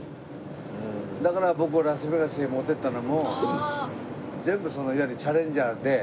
だから僕をラスベガスに持っていったのも全部いわゆるチャレンジャーで。